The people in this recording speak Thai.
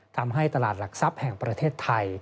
ทำให้ตลาดหลักทรัพย์แห่งประเทศไทย